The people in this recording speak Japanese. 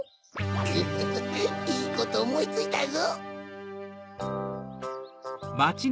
グフフいいことおもいついたぞ。